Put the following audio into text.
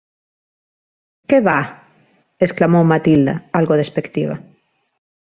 Que va! —exclamou Matilda, algo despectiva—.